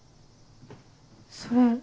それ。